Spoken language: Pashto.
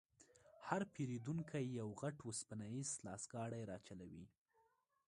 هر پېرونکی یو غټ وسپنیز لاسګاډی راچلوي.